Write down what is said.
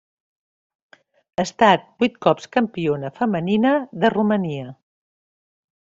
Ha estat vuit cops Campiona femenina de Romania.